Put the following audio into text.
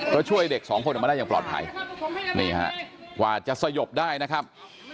ก็ช่วยเด็ก๒คนจะมาได้อย่างปลอดภัยว่าจะไส่หยบได้นะครับ